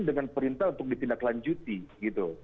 dan perintah untuk ditindaklanjuti gitu